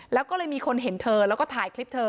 แล้วก็เลยมีคนเห็นเธอแล้วก็ถ่ายคลิปเธอ